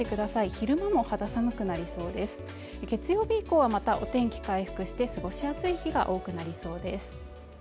昼間も肌寒くなりそうです月曜日以降はまたお天気回復して過ごしやすい日が多くなりそうです